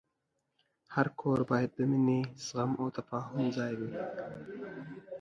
هر کور باید د مینې، زغم، او تفاهم ځای وي.